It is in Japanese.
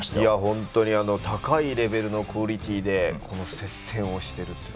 本当に高いレベルのクオリティーでこの接戦をしているという。